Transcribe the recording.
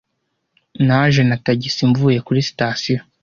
Naje na tagisi mvuye kuri sitasiyo.